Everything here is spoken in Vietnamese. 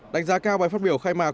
đánh giá cao bài phát biểu khai mạc